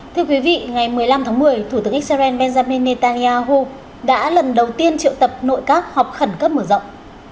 thưa quý vị ngày một mươi năm tháng một mươi thủ tướng israel benjamin netanyahu đã lần đầu tiên triệu tập nội các họp khẩn cấp mở rộng